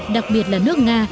đặc biệt là nước nga